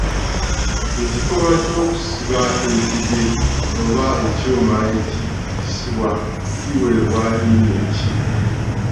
Ekikolwa eky’okusiba ekide oba ekyuma ekiyiggisibwa kiweebwa linnya ki?